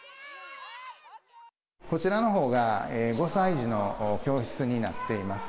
こちらのほうが５歳児の教室になっています。